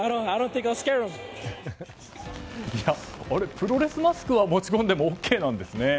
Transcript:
プロレスマスクは持ち込んでもＯＫなんですね。